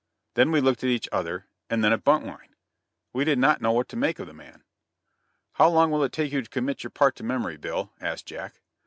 Then we looked at each other, and then at Buntline. We did not know what to make of the man. "How long will it take you to commit your part to memory, Bill?" asked Jack.